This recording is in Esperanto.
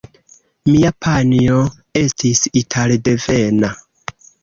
Mia panjo estis italdevena.